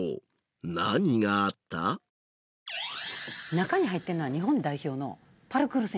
中に入ってんのは日本代表のパルクール選手。